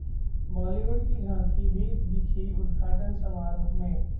Bollywood की झांकी भी दिखी उद्घाटन समारोह में